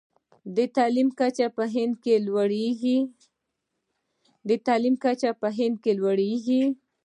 د تعلیم کچه په هند کې لوړیږي.